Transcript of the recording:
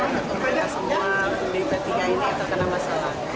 ketum saya semua di p tiga ini terkena masalah